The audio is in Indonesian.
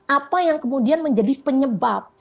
apa yang kemudian menjadi penyebab